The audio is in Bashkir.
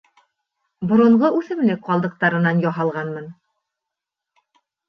Боронғо үҫемлек ҡалдыҡтарынан яһалғанмын.